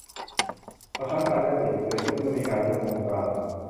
บางครั้งการแลกเปลี่ยนจะเกิดขึ้นเมื่อมีการเร่งโครงการ